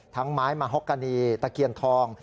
ทั้งไม้มะฮ็อกกนี่ตะเกียณทอง